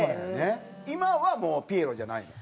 今はもうピエロじゃないの？